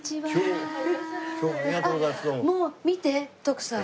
もう見て徳さん。